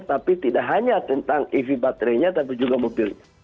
tapi tidak hanya tentang ev baterainya tapi juga mobilnya